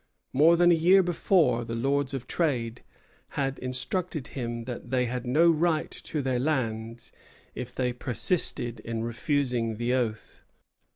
More than a year before, the Lords of Trade had instructed him that they had no right to their lands if they persisted in refusing the oath.